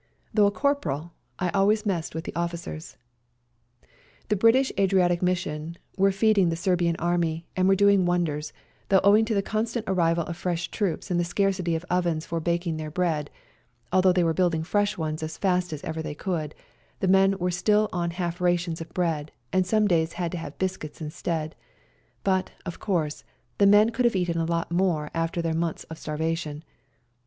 Though a corporal, I always messed with the officers. llie British Adriatic Mission were feed ing the Serbian Army, and were doing wonders, though owing to the constant arrival of fresh troops and the scarcity of ovens for baking their bread (although they were building fresh ones as fast as ever they could) the men were still on half rations of bread, and some days had to have biscuits instead ; but, of course, the men could have eaten a lot more after their months of starvation.